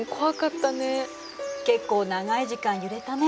結構長い時間揺れたね。